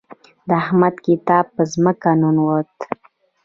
د احمد کتاب په ځمکه ننوت.